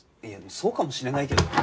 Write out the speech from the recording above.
いやそうかもしれないけど。